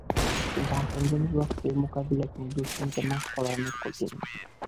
কিন্তু আপনজনের রক্তের মোকাবিলায় কোন দুশমনকে মাফ করা অনেক কঠিন।